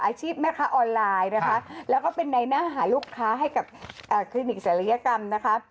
แม่ค้าออนไลน์นะคะแล้วก็เป็นในหน้าหาลูกค้าให้กับคลินิกศัลยกรรมนะคะ